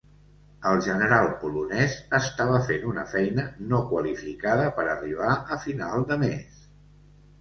El general polonès estava fent una feina no qualificada per arribar a final de mes.